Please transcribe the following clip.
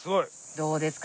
どうですか？